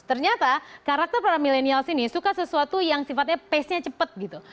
ternyata karakter para milenial sini suka sesuatu yang sifatnya pace nya cepat gitu